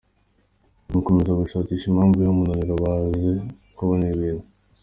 Mugukomeza gushakisha impamvu y’uwo munaniro baze kubona ikintu